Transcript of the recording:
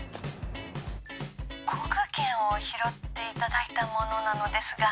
航空券を拾っていただいた者なのですが。